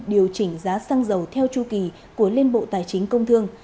điều chỉnh giá xăng dầu theo chu kỳ của liên bộ tài chính công thương